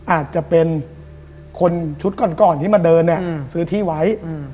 อาจจะเป็นคนชุดก่อนที่มาเดินเนี่ยซื้อที่ไว้